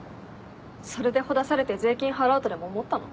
それでほだされて税金払うとでも思ったの？